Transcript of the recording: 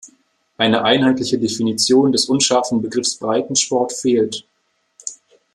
Eine einheitliche Definition des unscharfen Begriffs Breitensport fehlt.